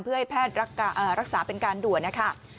เพื่อให้แพทย์รักษาเป็นการด่วนนะคะ